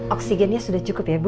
oksigennya sudah cukup ya bu